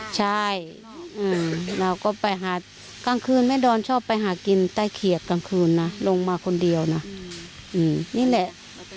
ใช่เราก็ไปหากลางคืนแม่ดอนชอบไปหากินใต้เขียดกลางคืนนะลงมาคนเดียวนะนี่แหละ